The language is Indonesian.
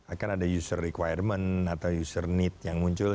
akan ada user requirement atau user need yang muncul